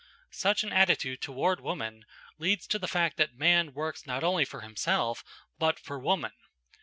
Such an attitude toward woman leads to the fact that man works not only for himself, but for woman.